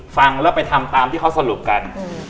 ฟังแล้วไปทำตามที่เขาสรุปกัน